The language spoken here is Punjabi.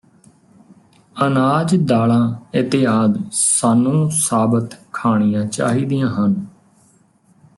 ਅਨਾਜ ਦਾਲਾਂ ਇਤਿਆਦਿ ਸਾਨੂੰ ਸਾਬਤ ਖਾਣੀਆਂ ਚਾਹੀਦੀਆਂ ਹਨ